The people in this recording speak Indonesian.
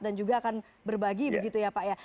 dan juga akan berbagi begitu ya pak ya